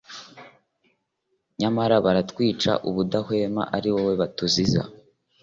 Nyamara baratwica ubudahwema ari wowe batuziza